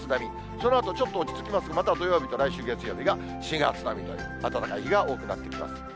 そのあとちょっと落ち着きますが、また土曜日と来週月曜日が４月並みという、暖かい日が多くなってきます。